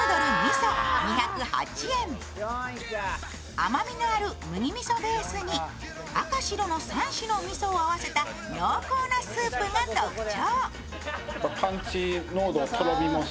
甘みのある麦みそベースに赤白の三種のみそを合わせた濃厚なスープが特徴。